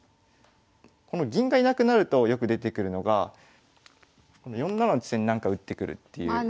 この銀がいなくなるとよく出てくるのがこの４七の地点になんか打ってくるっていうことで。